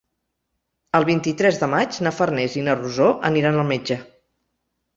El vint-i-tres de maig na Farners i na Rosó aniran al metge.